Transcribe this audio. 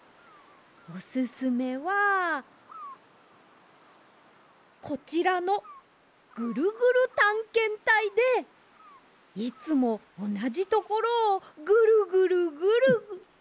オススメはこちらの「ぐるぐるたんけんたい」でいつもおなじところをぐるぐるぐるぐる。